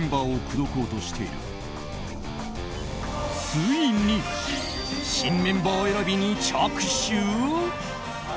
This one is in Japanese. ついに新メンバー選びに着手？